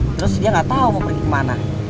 terus dia gak tau mau pergi kemana